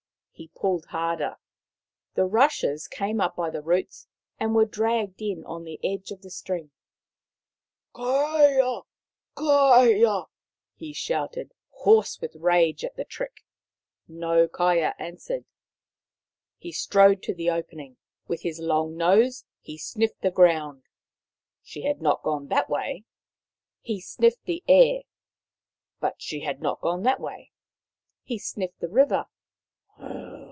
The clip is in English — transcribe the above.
He pulled harder. The rushes came up by the roots and were dragged in on the edge of the string. " Kaia ! Kaia !" he shouted, hoarse with rage at the trick. No Kaia answered. He strode to the opening. With his long nose he sniffed the ground ; she had not gone that way. He sniffed the air, but she had not gone that way. He sniffed the river.